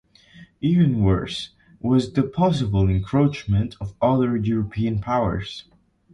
Even worse, was the possible encroachment of other European powers.